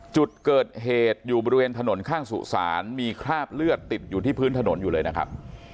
จุดเกิดเหตุอยู่บริเวณถนนข้างสุสานมีคราบเลือดติดอยู่ที่พื้นถนนอยู่เลยนะครับ